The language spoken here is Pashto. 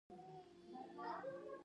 د کاریکاتور د طراحۍ موخه څه ده؟